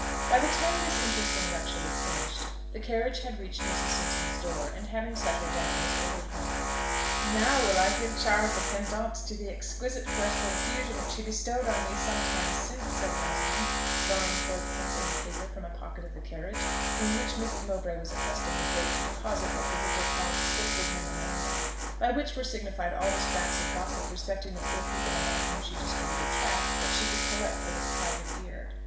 By the time this interesting lecture was finished, the carriage had reached Mrs. Simpson's door, and having set her down, was ordered home. "Now will I give Charles a pendant to the exquisite poetical effusion which he bestowed on me some time since," said Rosalind, drawing forth pencil and paper from a pocket of the carriage, in which Mrs. Mowbray was accustomed of late to deposit what the vicar called "sacred memoranda;" by which were signified all the scraps of gossip respecting the poor people among whom she distributed tracts, that she could collect for his private ear.